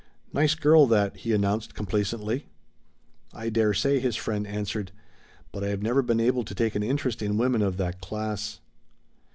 "Nice girl that," he announced complacently. "I dare say," his friend answered, "but I have never been able to take an interest in women of that class."